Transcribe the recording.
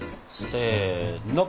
せの！